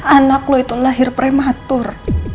anak lu itu lahir prematur